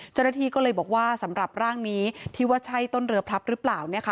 เจ้าหน้าที่ก็เลยบอกว่าสำหรับร่างนี้ที่ว่าใช่ต้นเรือพลับหรือเปล่า